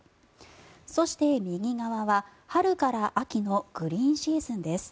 そして、右側は春から秋のグリーンシーズンです。